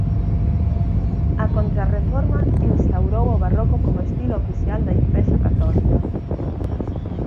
A Contrarreforma instaurou o Barroco como estilo oficial da Igrexa Católica